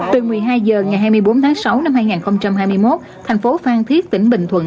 từ một mươi hai h ngày hai mươi bốn tháng sáu năm hai nghìn hai mươi một thành phố phan thiết tỉnh bình thuận